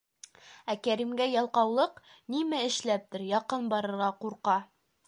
Ә Кәримгә ялҡаулыҡ, нимә эшләптер, яҡын барырға ҡурҡа.